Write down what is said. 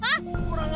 jangan jauh jauh gua